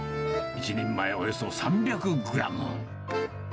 １人前およそ３００グラム。